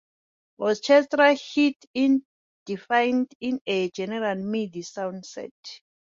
Orchestra hit is defined in the General Midi sound set.